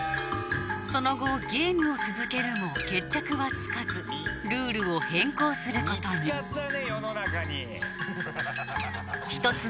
その後ゲームを続けるも決着はつかずルールを変更することに「見つかったね！